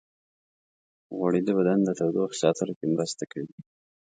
غوړې د بدن د تودوخې ساتلو کې مرسته کوي.